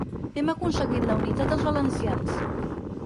Hem aconseguit la unitat dels valencians.